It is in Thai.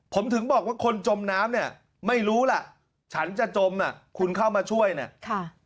ผมถึงบอกว่าคนจมน้ำเนี่ยไม่รู้ล่ะฉันจะจมอ่ะคุณเข้ามาช่วยเนี่ยค่ะ